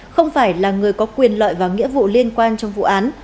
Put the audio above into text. không phải là người có quyền lợi và nghĩa vụ liên quan trong vụ án